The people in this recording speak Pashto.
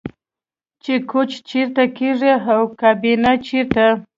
چې کوچ چیرته کیږدئ او کابینه چیرته